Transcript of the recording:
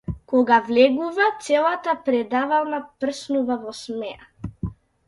Кога влегува, целата предавална прснува во смеа.